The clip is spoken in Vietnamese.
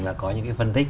và có những cái phân tích